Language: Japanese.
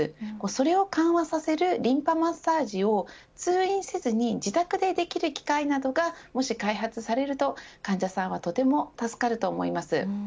それを緩和させるリンパマッサージを通院せずに自宅でできる機械などがもし開発されると患者さんはとても助かると思います。